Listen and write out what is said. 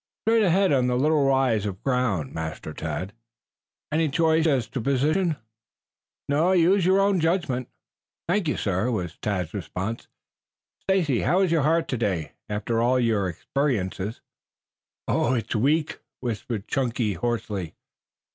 "Straight ahead on the little rise of ground, Master Tad." "Any choice as to position?" "Use your own good judgment." "Thank you, sir," was Tad's response. "Stacy, how is your heart today, after all your experiences?" "It's weak," whispered Chunky hoarsely.